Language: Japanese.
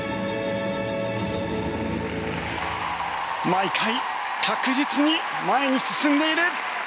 毎回確実に前に進んでいる！